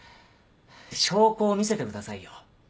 証拠を見せてくださいよ。